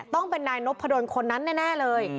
ต้องเป็นนายนพดลคนนั้นแน่เลย